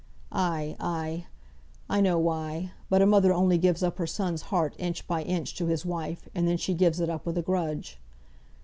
Ay, ay! I know why; but a mother only gives up her son's heart inch by inch to his wife, and then she gives it up with a grudge.